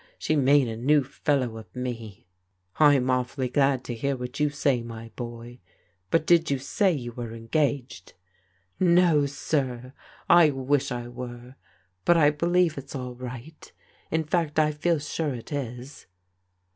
She's made a new fellow of me. " I'm awfully glad to hear what you say, my boy, but did you say you were engaged? "" No, sir, I wish I were f But I believe it's all right, — in fact I fcel sure it is."